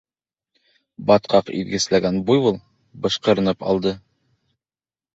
— Батҡаҡ иҙгесләгән буйвол бышҡырынып алды.